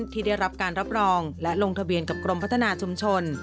ที่ได้รับการรับรองและลงทะเบียนกับกรมพัฒนาชุมชน